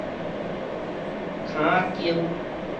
坩仔間